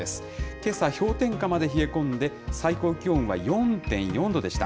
けさ、氷点下まで冷え込んで、最高気温は４．４度でした。